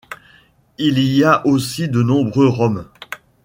Il y a aussi de nombreux Roms.